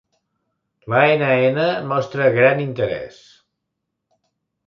L'ANN mostra gran interès.